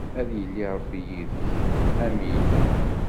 Ad yili Ṛebbi yid-k. amin.